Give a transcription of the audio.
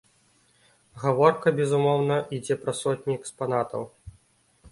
Гаворка, безумоўна, ідзе пра сотні экспанатаў.